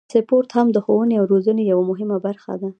سپورت هم د ښوونې او روزنې یوه مهمه برخه ده.